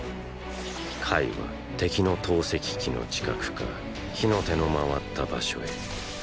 カイは敵の投石機の近くか火の手の回った場所へ。